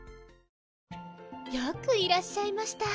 よくいらっしゃいました。